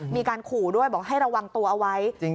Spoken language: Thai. มีการขู่ด้วยบอกให้ระวังตัวเอาไว้